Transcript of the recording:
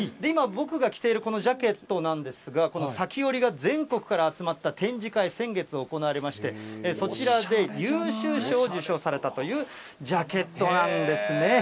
今、僕が着ているこのジャケットなんですが、この裂き織りが全国から集まった展示会、先月行われまして、そちらで優秀賞を受賞されたというジャケットなんですね。